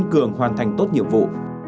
cưỡng hoàn thành tốt nhiệm vụ